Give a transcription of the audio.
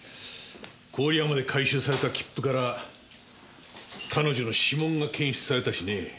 郡山で回収された切符から彼女の指紋が検出されたしね。